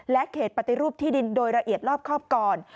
เขตปฏิรูปที่ดินโดยละเอียดรอบครอบก่อน